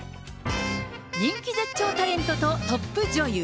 人気絶頂タレントとトップ女優。